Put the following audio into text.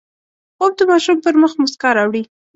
خوب د ماشوم پر مخ مسکا راوړي